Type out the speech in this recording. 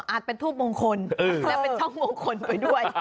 เป็นทูบมงคลและเป็นช่องมงคลไปด้วย